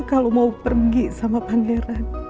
kalau mau pergi sama pangeran